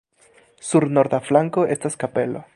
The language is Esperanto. Sur norda flanko estas kapelo.